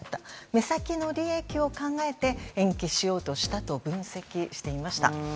目先の利益を考えて延期しようとしたと分析していました。